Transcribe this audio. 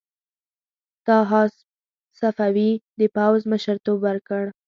طاهاسپ صفوي د پوځ مشرتوب ورکړ.